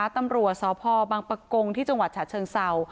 ตำรวจสพบังปะกงที่จังหวัดฉะเชิงเศร้า